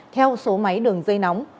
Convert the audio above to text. theo số máy đường dây nóng